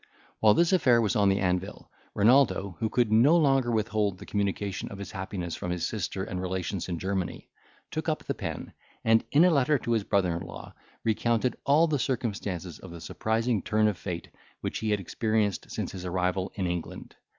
While this affair was on the anvil, Renaldo, who could no longer withhold the communication of his happiness from his sister and relations in Germany, took up the pen, and, in a letter to his brother in law, recounted all the circumstances of the surprising turn of fate which he had experienced since his arrival in England.